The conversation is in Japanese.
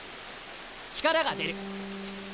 力が出る。